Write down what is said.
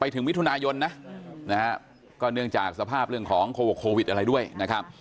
ถึงมิถุนายนนะนะฮะก็เนื่องจากสภาพเรื่องของโควิดอะไรด้วยนะครับ